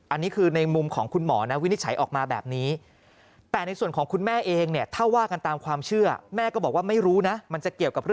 อันนี้คือในมุมของคุณหมอนะวินิจฉัยออกมาแบบนี้